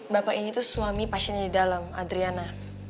bapak ini tuh suami pasiennya di dalam adriana